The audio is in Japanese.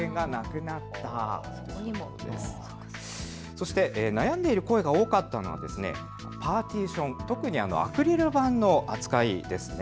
そして悩んでいる声が多かったのはパーティション、特にアクリル板の扱いです。